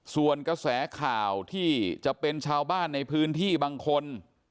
ส่วนกระแสข่าวที่จะเป็นชาวบ้านในพื้นที่บางคน